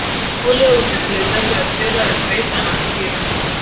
Ule ya utekelezaji wa Sera ya Taifa ya Mazingira